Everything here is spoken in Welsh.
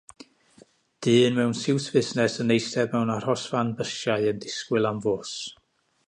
Dyn mewn siwt fusnes yn eistedd mewn arhosfan bysiau yn disgwyl am fws.